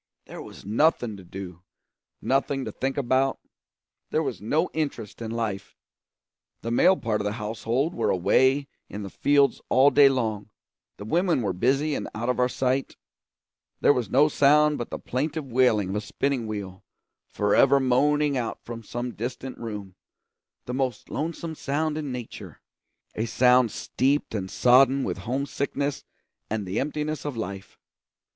There was nothing to do, nothing to think about; there was no interest in life. The male part of the household were away in the fields all day, the women were busy and out of our sight; there was no sound but the plaintive wailing of a spinning wheel, forever moaning out from some distant room the most lonesome sound in nature, a sound steeped and sodden with homesickness and the emptiness of life.